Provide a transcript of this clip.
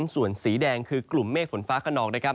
ส่วนสีแดงคือกลุ่มเมฆฝนฟ้าขนองนะครับ